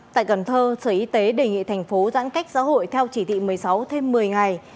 tại cần thơ sở y tế đề nghị thành phố giãn cách xã hội theo chỉ thị một mươi sáu thêm một mươi ngày